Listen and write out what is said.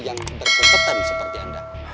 yang berkebetan seperti anda